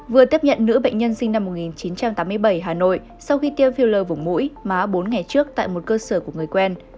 vừa tiếp nhận nữ bệnh nhân sinh năm một nghìn chín trăm tám mươi bảy hà nội sau khi tiêm phiêu lờ vùng mũi má bốn ngày trước tại một cơ sở của người quen